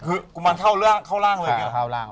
คือกุมารเข้าล่างเลยเนี่ย